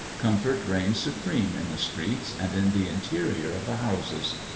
Comfort reigns supreme in the streets and in the interior of the houses.